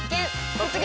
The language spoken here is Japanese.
「突撃！